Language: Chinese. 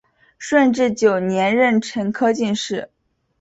顺治九年壬辰科进士。